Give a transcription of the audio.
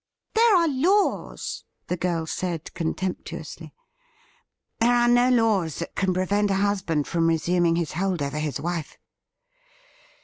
' There are laws,' the girl said contemptuously. ■' There are no laws that can prevent a husband from re suming his hold over his wife.'